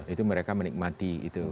itu mereka menikmati itu